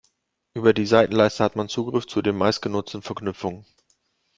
Über die Seitenleiste hat man Zugriff zu den meistgenutzten Verknüpfungen.